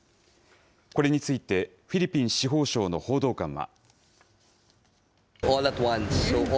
これについてフィリピン司法省の報道官は。